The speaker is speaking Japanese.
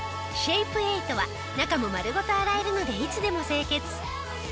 シェイプエイトは中も丸ごと洗えるのでいつでも清潔。